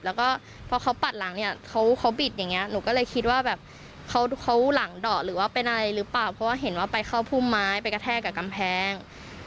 แล้วก็พอเขาปัดหลังเนี่ยเขาบิดอย่างนี้หนูก็เลยคิดว่าแบบเขาหลังดอกหรือว่าเป็นอะไรหรือเปล่าเพราะว่าเห็นว่าไปเข้าพุ่มไม้ไปกระแทกกับกำแพง